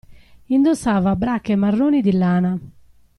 Indossava brache marroni di lana.